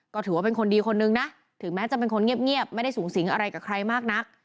ก็ถือว่าเป็นคนดีคนนึงนะถึงแม้จะเป็นคนเงียบไม่ได้สูงสิงอะไรกับใครมากนัก